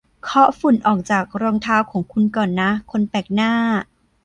เคาะฝุ่นออกจากรองเท้าของคุณก่อนนะ คนแปลกหน้า